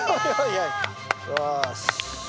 よし。